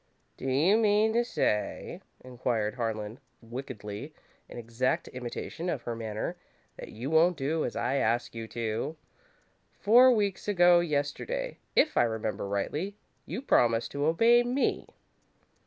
"Do you mean to say," inquired Harlan, wickedly, in exact imitation of her manner, "that you won't do as I ask you to? Four weeks ago yesterday, if I remember rightly, you promised to obey me!"